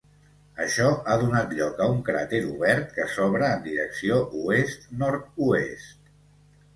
Això ha donat lloc a un cràter obert que s'obre en direcció oest/nord-oest.